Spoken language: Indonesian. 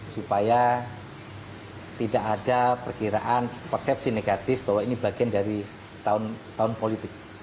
supaya tidak ada perkiraan persepsi negatif bahwa ini bagian dari tahun politik